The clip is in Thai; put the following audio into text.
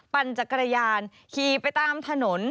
ปั่นจักรยานขี่ไปตามถนน